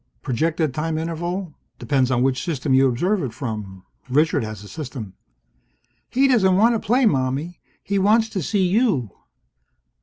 Projected time interval? Depends on which system you observe it from. Richard has a system. "He doesn't want to play, Mommie. He wants to see you!"